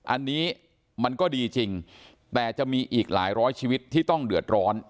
อันนี้มันก็ดีจริงแต่จะมีอีกหลายร้อยชีวิตที่ต้องเดือดร้อน